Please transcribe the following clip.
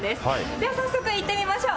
では早速行ってみましょう。